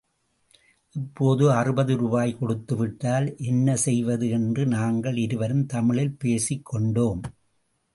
இப்போது அறுபது ரூபாய் கொடுத்து விட்டால் என்ன செய்வது என்று நாங்கள் இருவரும் தமிழில் பேசிக் கொண்டோம்.